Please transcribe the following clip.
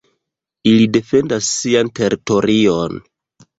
Ili defendas sian teritorion.